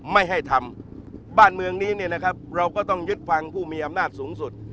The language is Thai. ไม่ให้ทำบ้านเมืองนี้เนี่ยนะครับเราก็ต้องยึดฟังผู้มีอำนาจสูงสุด